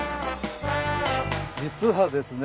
実はですね。